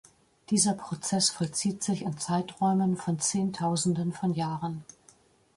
Dieser Prozess vollzieht sich in Zeiträumen von Zehntausenden von Jahren.